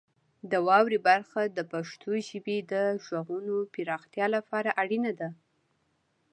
د واورئ برخه د پښتو ژبې د غږونو پراختیا لپاره اړینه ده.